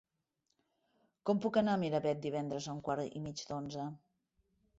Com puc anar a Miravet divendres a un quart i mig d'onze?